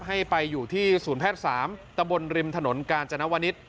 ให้ไปอยู่ที่ศูนย์แพทย์๓ตะบนริมถนนกาญจนวนิษฐ์